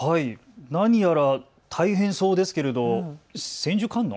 何やら、大変そうですけれど千手観音？